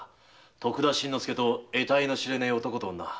徳田新之助と得体の知れねえ男と女。